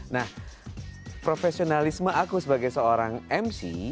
nah profesionalisme aku sebagai seorang mc